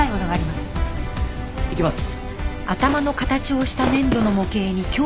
いきます。